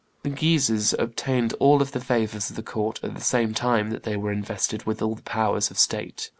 The Guises obtained all the favors of the court at the same time that they were invested with all the powers of the state.